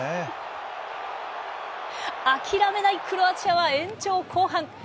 諦めないクロアチアは延長後半。